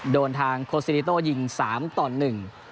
โดนทางโคซิริโต้ยิง๓๑